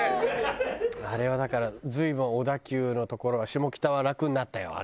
あれはだから随分小田急の所は下北は楽になったよあれ。